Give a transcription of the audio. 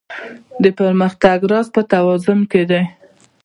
د پرمختګ راز په توازن کې دی.